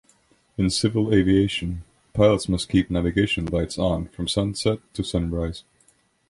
In civil aviation, pilots must keep navigation lights on from sunset to sunrise.